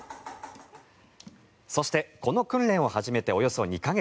そして、この訓練を始めておよそ２か月。